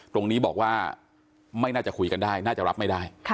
ตรงนี้บอกว่าไม่น่าจะคุยกันได้น่าจะรับไม่ได้